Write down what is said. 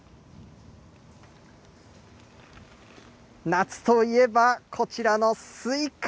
夏といえばこちらのスイカ。